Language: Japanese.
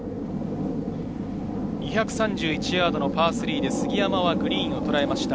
２３１ヤードのパー３で杉山はグリーンをとらえました。